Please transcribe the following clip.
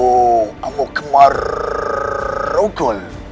uak mau kemarrrrrrraba